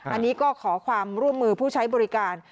อันนี้ก็ขอความร่วมมือผู้ใช้บริการ